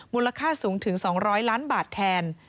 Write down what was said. มูลค่าสูงถึง๒๐๐ล้านบาทแทน